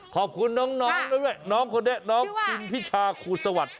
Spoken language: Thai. ขอบคุณน้องน้องฟิษาคูศวันท์